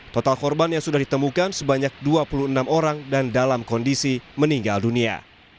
total korban yang sudah ditemukan sebanyak dua puluh enam orang dan dalam kondisi meninggal dunia